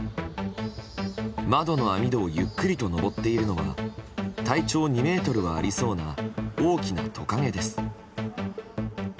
窓の網戸をゆっくりと登っているのは体長２ｍはありそうな大きなトカゲです。